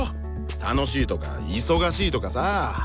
楽しいとか忙しいとかさ。